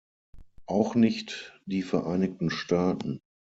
Auch nicht die Vereinigten Staaten.